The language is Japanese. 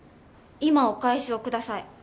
今お返しをください。